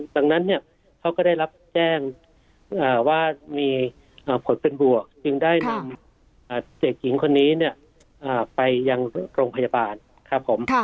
ดังนั้นเขาก็ได้รับแจ้งว่ามีผลเป็นบวกจึงได้นำเด็กหญิงคนนี้ไปยังโรงพยาบาลครับผม